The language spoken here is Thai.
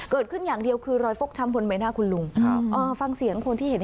เกิดขึ้นอย่างเดียวคือรอย